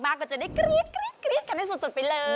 มักก็จะได้กรี๊ดกรี๊ดกรี๊ดกันให้สุดไปเลย